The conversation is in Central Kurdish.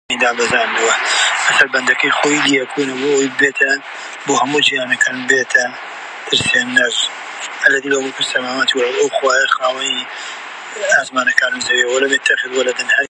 ئەو عەشیرەتە زۆر کەمن